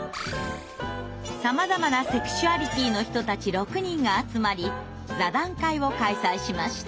さまざまなセクシュアリティーの人たち６人が集まり座談会を開催しました。